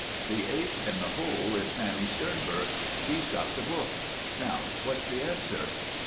The ace in the hole is Sammy Sternberg; he's got the books. Now what's the answer?"